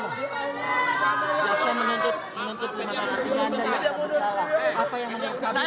jaksa menuntut lima tahun kecil anda tidak akan bersalah